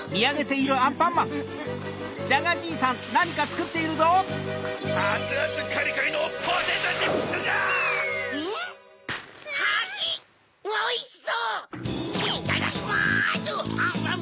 いっただきます！